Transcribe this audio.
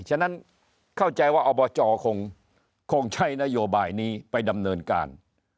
ฉะนั้นเข้าใจว่าอบจคงใช้นโยบายนี้ไปดำเนินการ